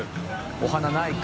お花ないか。